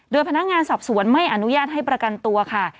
โดยพนักงานสอบสวนไม่อนุญาตให้ประกันตัวค่ะ